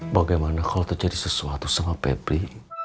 bagaimana kalau terjadi sesuatu sama pepri